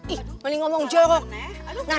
ih malah ngomong jenguk